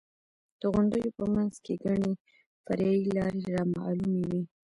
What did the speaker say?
د غونډیو په منځ کې ګڼې فرعي لارې رامعلومې وې.